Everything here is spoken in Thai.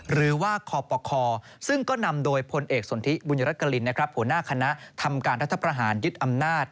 หรือว่าคอปคซึ่งก็นำโดยพลเอกสนทิบุญรกลินหัวหน้าคณะทำการรัฐประหารยึดอำนาจ